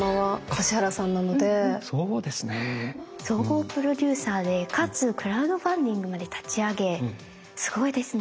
総合プロデューサーでかつクラウドファンディングまで立ち上げすごいですね。